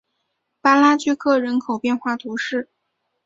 巴拉聚克人口变化图示